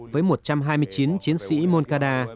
với một trăm hai mươi chín chiến sĩ moncada